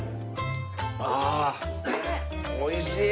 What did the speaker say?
ああおいしい！